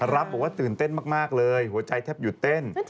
รับบอกว่าตื่นเต้นมากเลยหัวใจแทบหยุดเต้น